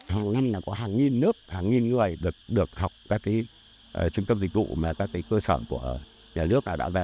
hầu năm có hàng nghìn nước hàng nghìn người được học các trung tâm dịch vụ các cơ sở của nhà nước đã về